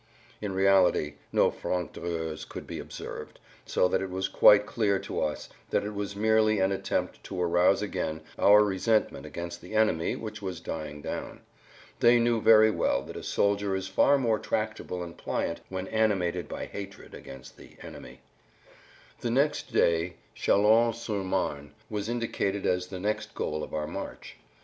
In reality no franctireurs could be observed, so that it was quite clear to us that[Pg 83] it was merely an attempt to arouse again our resentment against the enemy which was dying down. They knew very well that a soldier is far more tractable and pliant when animated by hatred against the "enemy." The next day Châlons sur Marne was indicated as the next goal of our march.